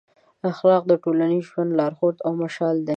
اخلاق د ټولنیز ژوند لارښود او مشال دی.